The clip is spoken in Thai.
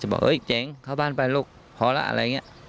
บอกเอ้ยเจ๋งเข้าบ้านไปลูกพอแล้วอะไรอย่างนี้